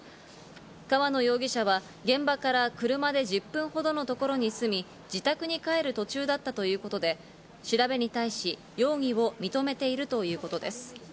川野容疑者は現場から車で１０分ほどのところに住み、自宅に帰る途中だったということで、調べに対し、容疑を認めているということです。